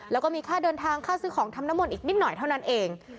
แล้วก็มีค่าเดินทางค่าซื้อของทำน้ำมนต์อีกนิดหน่อยเท่านั้นเอง